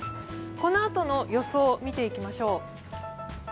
このあとの予想見ていきましょう。